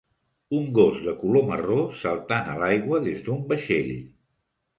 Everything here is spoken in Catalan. Un gos de color marró saltant a l'aigua des d'un vaixell.